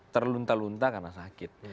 terlunta lunta karena sakit